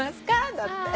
だって。